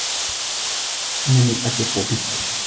إنني أثق بك.